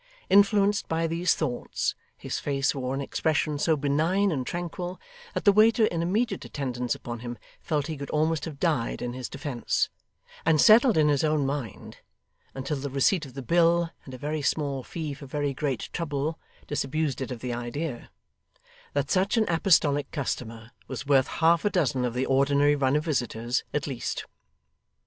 Influenced by these thoughts, his face wore an expression so benign and tranquil, that the waiter in immediate attendance upon him felt he could almost have died in his defence, and settled in his own mind (until the receipt of the bill, and a very small fee for very great trouble disabused it of the idea) that such an apostolic customer was worth half a dozen of the ordinary run of visitors, at least.